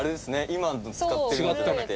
今使ってるやつじゃなくて。